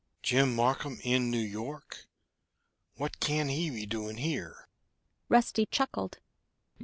"Jim Marcum in New York? What can he be doing here?" Rusty chuckled.